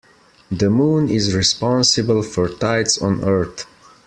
The moon is responsible for tides on earth.